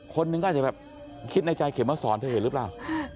คนหนึ่งก็อาจจะแบบคิดในใจเข็มมาสอนเธอเห็นหรือเปล่า